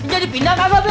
jadi pindah kakak be